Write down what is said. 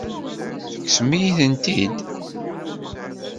Tekksem-iyi-ten-id.